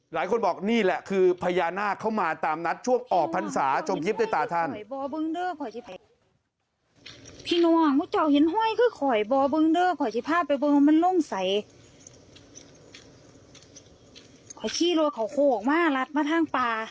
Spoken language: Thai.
หลายคนบอกนี่แหละคือพญานาคเข้ามาตามนัดช่วงออกพรรษาชมคลิปด้วยตาท่าน